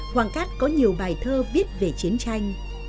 hoàng cát có nhiều bài thơ viết về chiến tranh